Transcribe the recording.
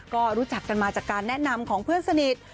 ก็รู้จักกันมาจากการแนะนำของเพื่อนสนิท